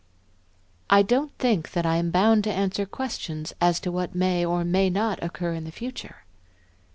"I don't think that I am bound to answer questions as to what may or may not occur in the future."